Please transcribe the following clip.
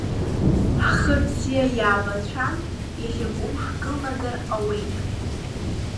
Ҳхы бзиа иаабацәан, иахьакәым ҳкылнагар ауеит.